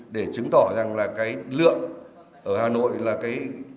để chứng tỏ rằng là cái lượng ở hà nội là cái